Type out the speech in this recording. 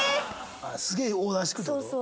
すげえオーダーしてくるって事？